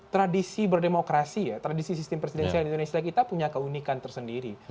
tradisi berdemokrasi ya tradisi sistem presidensial di indonesia kita punya keunikan tersendiri